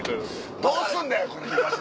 「どうすんだよこれ！